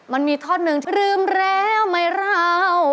มันมีท่อนึงลืมแล้วไม่ราว